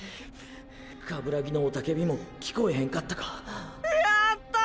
鏑木の雄たけびも聞こえへんかったかやった！